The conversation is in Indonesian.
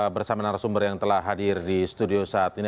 bersama narasumber yang telah hadir di studio saat ini